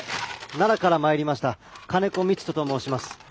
奈良から参りました金子道人と申します。